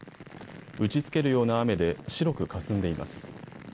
打ちつけるような雨で白くかすんでいます。